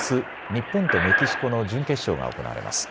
日本とメキシコの準決勝が行われます。